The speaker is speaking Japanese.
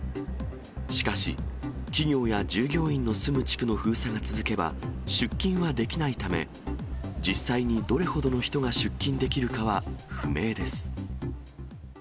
しかし、企業や従業員の住む地区の封鎖が続けば、出勤はできないため、実際にどれほどの人が出勤できるかは不明です。